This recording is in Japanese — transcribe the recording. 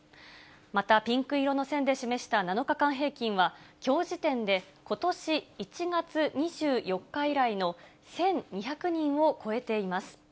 また、ピンク色の線で示した７日間平均は、きょう時点で、ことし１月２４日以来の１２００人を超えています。